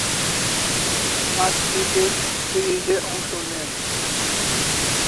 পাঁচটি টেস্ট সিরিজে অংশ নেন।